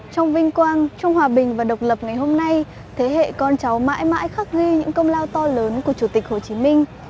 trong vinh quang trong hòa bình và độc lập ngày hôm nay thế hệ con cháu mãi mãi khắc ghi những công lao to lớn của chủ tịch hồ chí minh